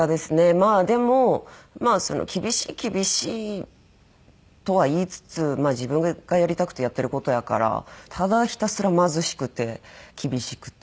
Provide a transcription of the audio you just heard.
まあでも厳しい厳しいとは言いつつ自分がやりたくてやってる事やからただひたすら貧しくて厳しくて。